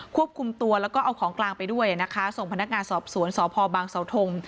ควบคุมตัวแล้วก็เอาของกลางไปด้วยนะคะส่งพนักงานสอบสวนสพบางสาวทง